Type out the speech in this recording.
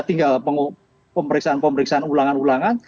tinggal pemeriksaan pemeriksaan ulangan ulangan